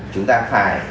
chúng ta phải